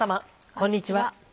こんにちは。